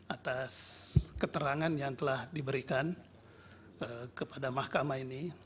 atas keterangan yang telah diberikan kepada mahkamah ini